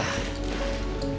aku akan menangkap raja